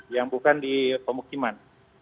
yang bukan di pemukiman